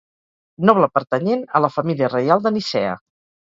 Noble pertanyent a la família reial de Nicea.